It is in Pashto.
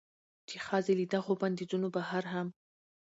چې ښځې له دغو بندېزونو بهر هم